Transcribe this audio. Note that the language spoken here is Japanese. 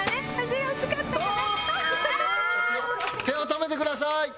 手を止めてください。